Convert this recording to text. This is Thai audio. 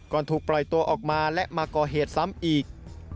ถูกปล่อยตัวออกมาและมาก่อเหตุซ้ำอีก